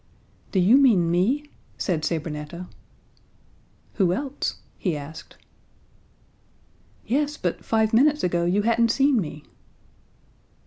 "Do you mean me?" said Sabrinetta. "Who else?" he asked. "Yes, but five minutes ago you hadn't seen me!"